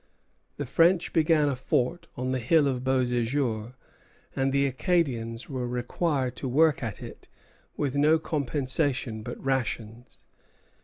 The French began a fort on the hill of Beauséjour, and the Acadians were required to work at it with no compensation but rations.